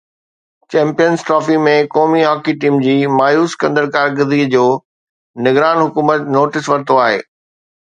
Champions Trophy ۾ قومي hockey team جي مايوس ڪندڙ ڪارڪردگي جو نگران حڪومت نوٽيس ورتو آهي.